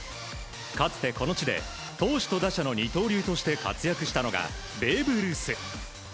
かつてこの地で、投手と打者の二刀流として活躍したのがベーブ・ルース。